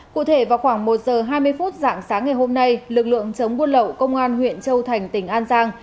cụ thể vào khoảng một giờ hai mươi phút dạng sáng ngày hôm nay lực lượng chống buôn lậu công an huyện châu thành tỉnh an giang